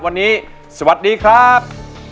วันนี้สวัสดีครับ